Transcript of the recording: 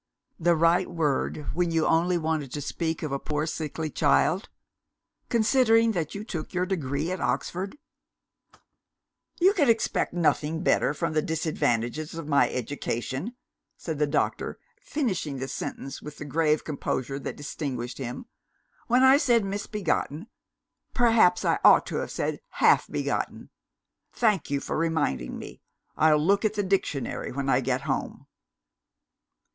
"The right word when you only wanted to speak of a poor sickly child! Considering that you took your degree at Oxford " "You could expect nothing better from the disadvantages of my education," said the doctor, finishing the sentence with the grave composure that distinguished him. "When I said 'misbegotten,' perhaps I ought to have said 'half begotten'? Thank you for reminding me. I'll look at the dictionary when I get home."